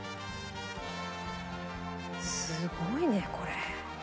すごいねこれ。